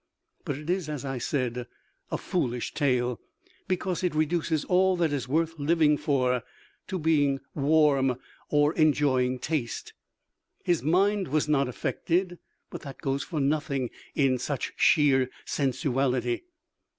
But it is, as I said, a foolish tale, because it reduces all that is worth living for to being warm or enjoying taste. His mind was not affected, but that goes for nothing in such sheer sensuality.